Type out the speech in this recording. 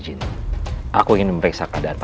sudah memberikan kesempatan kepada hamba